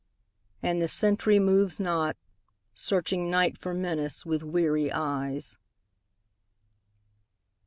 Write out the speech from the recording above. And the sentry moves not, searching Night for menace with weary eyes.